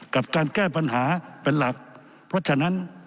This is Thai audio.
กับการแก้ปัญหาเป็นหลักเพราะฉะนั้น